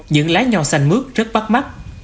những lái nho xanh mướt rất bắt mắt